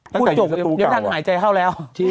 พูดโงค์ในกลุ่นหายใจเข้าแล้ว